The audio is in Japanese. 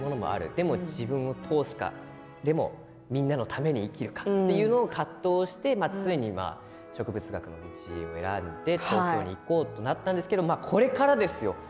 でも自分を通すかでもみんなのために生きるかという葛藤をしてついに植物学の道を選んで東京に行こうということなんですが、これからですよ。